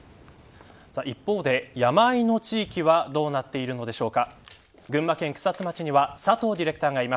一方で山あいの地域はどうなっているのでしょうか。